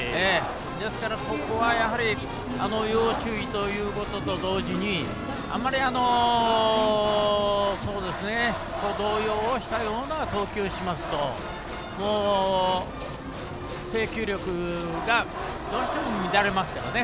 ですから、ここはやはり要注意ということと同時にあまり、動揺をしたような投球をしますと制球力がどうしても乱れますよね。